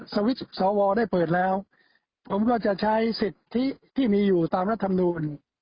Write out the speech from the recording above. สวได้เปิดแล้วผมก็จะใช้สิทธิที่มีอยู่ตามรัฐมนูล